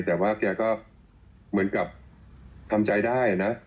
แต่ว่าแกก็เหมือนกับทำใจได้นะ